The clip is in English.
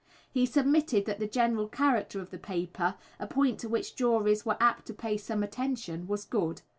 He submitted that the general character of the paper, a point to which juries were apt to pay some attention, was good.